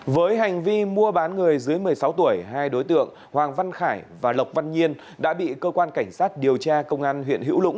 với hành vi mua bán người dưới một mươi sáu tuổi hai đối tượng hoàng văn khải và lộc văn nhiên đã bị cơ quan cảnh sát điều tra công an huyện hữu lũng